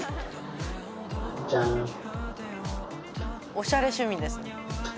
おしゃれ趣味ですね。